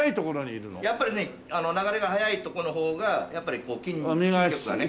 やっぱりね流れが速いとこの方がやっぱり筋力がね。